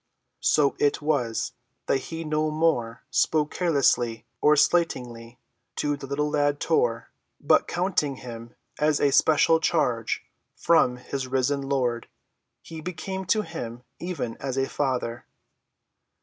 So it was that he no more spoke carelessly or slightingly to the little lad, Tor, but, counting him as a special charge from his risen Lord, he became to him even as a father.